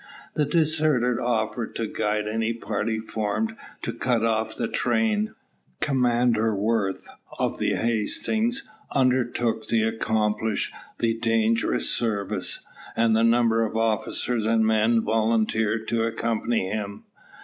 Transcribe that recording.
The deserter offered to guide any party formed to cut off the train. Commander Worth, of the Hastings, undertook to accomplish the dangerous service; and numbers of officers and men volunteered to accompany him.